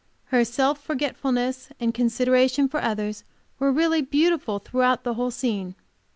Her self forgetfulness and consideration for others were really beautiful throughout the whole scene.